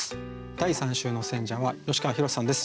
第３週の選者は吉川宏志さんです。